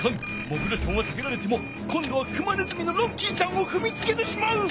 モグラちゃんはさけられてもこんどはクマネズミのロッキーちゃんをふみつけてしまう！